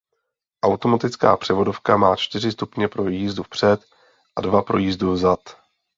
Automatická převodovka má čtyři stupně pro jízdu vpřed a dva pro jízdu vzad.